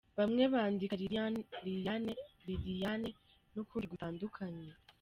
Bamwe bandika Lilian, Lilianne, Lilliane n’ukundi gutandukanye.